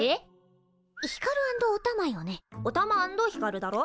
おたま＆ひかるだろ。